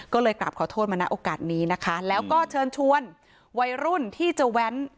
ก็เลยกลับขอโทษมานะโอกาสนี้นะคะแล้วก็เชิญชวนวัยรุ่นที่จะแว้น